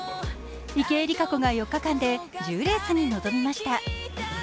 池江璃花子が４日間で１０レースに臨みました。